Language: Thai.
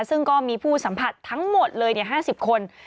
ซึ่งก็มีผู้สัมผัสทั้งหมดเลย๕๐คน